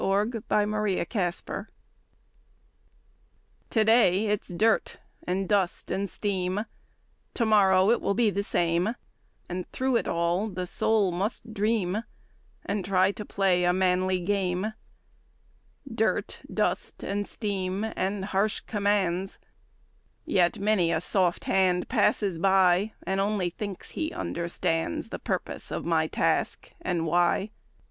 THE WORKMAN'S DREAM To day it's dirt and dust and steam, To morrow it will be the same, And through it all the soul must dream And try to play a manly game; Dirt, dust and steam and harsh commands, Yet many a soft hand passes by And only thinks he understands The purpose of my task and why.